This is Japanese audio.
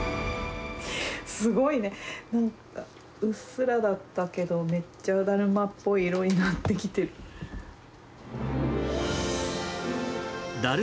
すごいね、うっすらだったけど、めっちゃだるまっぽい色になってきてる。